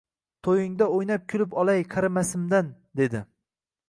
Toʻyingda oʻynab kulib olay qarimasimdan dedi